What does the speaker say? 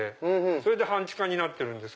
それで半地下になってるんです。